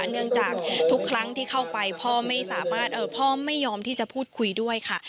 เนื่องจากทุกครั้งที่เข้าไปพ่อไม่สามารถพ่อไม่ยอมที่จะพูดคุยด้วยค่ะ